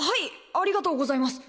ありがとうございます。